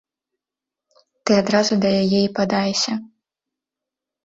Ты адразу да яе і падайся.